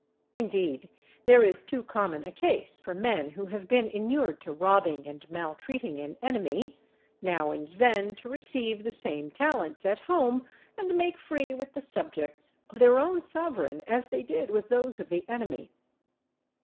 Indeed, there is too common a case for men who have been inured to robbing and maltreating an enemy, now and then to receive the same talents at home, and make free with the subjects of their own Sovereign as they did with those of the enemy.